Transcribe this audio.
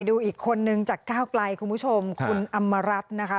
ดูอีกคนนึงจากก้าวไกลคุณผู้ชมคุณอำมารัฐนะคะ